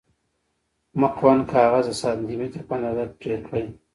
مقوا کاغذ د سانتي مترو په اندازه پرې کړئ.